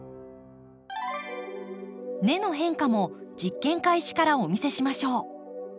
根の変化も実験開始からお見せしましょう。